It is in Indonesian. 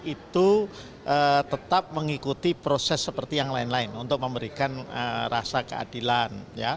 itu tetap mengikuti proses seperti yang lain lain untuk memberikan rasa keadilan